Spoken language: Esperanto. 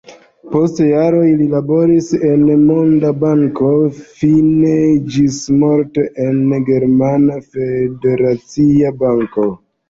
Post jaroj li laboris en Monda Banko, fine ĝismorte en Germana Federacia Banko.